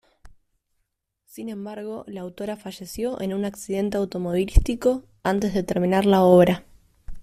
Sin embargo, la autora falleció en un accidente automovilístico antes de terminar la obra.